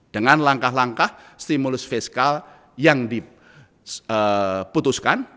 dengan langkah langkah stimulus fiskal yang diputuskan